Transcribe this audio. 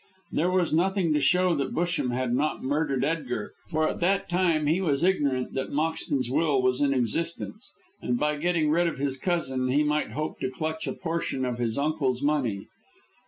There was nothing to show that Busham had not murdered Edgar, for at that time he was ignorant that Moxton's will was in existence, and by getting rid of his cousin he might hope to clutch a portion of his uncle's money.